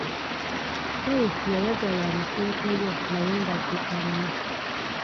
Perusi yayagala amusookeyo naye nga adduka nnyo.